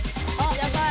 やばい。